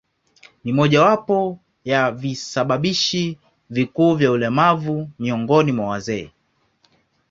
Ni mojawapo ya visababishi vikuu vya ulemavu miongoni mwa wazee.